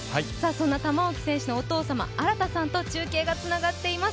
そんな玉置選手のお父様、新さんと中継がつながっています。